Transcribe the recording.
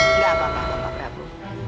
gak apa apa pak prabu